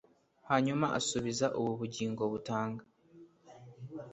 hanyuma asubiza ubu bugingo butanga